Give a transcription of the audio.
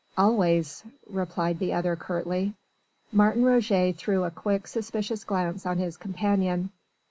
"Always," replied the other curtly. Martin Roget threw a quick, suspicious glance on his companion.